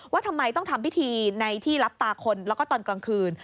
ว่าทำไมต้องทำพิธีในที่รับตาคนแล้วก็ตอนกลางคืน